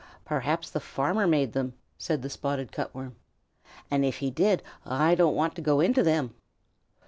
"Perhaps the farmer made them," said the Spotted Cut Worm, "and if he did I don't want to go into them."